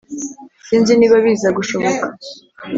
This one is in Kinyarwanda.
sinzi niba biza gushoboka